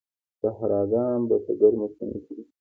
صحراګان په ګرمو سیمو کې دي.